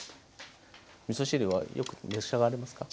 みそ汁はよく召し上がりますか？